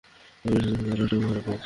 তবে এটার সাথে সাথে আরেকটা উপহারও পেয়েছি।